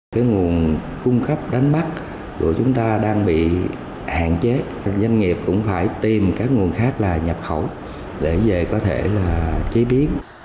cái nguồn cung cấp đánh bắt của chúng ta đang bị hạn chế doanh nghiệp cũng phải tìm các nguồn khác là nhập khẩu để về có thể là chế biến